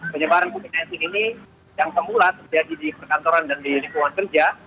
penyebaran provinsi ini yang semula terjadi di perkantoran dan di lingkungan kerja